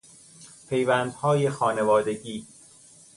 پیوندهای خانوادگی